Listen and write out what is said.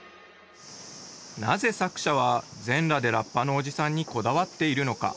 なぜ作者は全裸でラッパのおじさんにこだわっているのか？